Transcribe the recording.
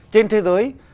trên thế giới